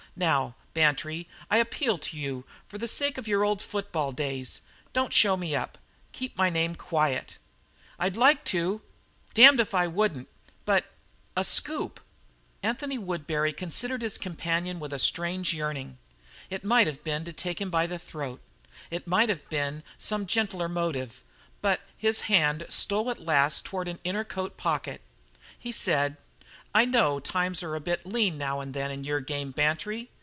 Now, Bantry, I appeal to you for the sake of your old football days, don't show me up keep my name quiet." "I'd like to damned if I wouldn't but a scoop " Anthony Woodbury considered his companion with a strange yearning. It might have been to take him by the throat; it might have been some gentler motive, but his hand stole at last toward an inner coat pocket. He said: "I know times are a bit lean now and then in your game, Bantry.